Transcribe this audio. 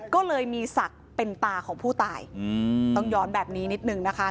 ก็เลยมีศักดิ์เป็นตาของผู้ตายต้องย้อนแบบนี้นิดนึงนะคะ